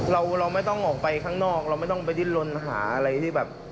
เราเราไม่ต้องออกไปข้างนอกเราไม่ต้องไปดิ้นลนหาอะไรที่แบบ